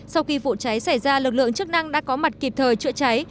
sau khi vụ cháy xảy ra lực lượng chức năng đã có mặt kịp thời chữa cháy